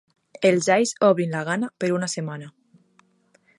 Els alls obren la gana per una setmana.